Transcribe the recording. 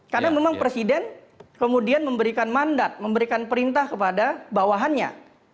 karena memang presiden kemudian memberikan mandat memberikan perintah kepada bawahannya